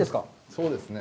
そうですね。